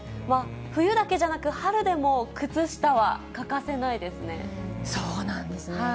冬だけじゃなく、春でも、そうなんですね。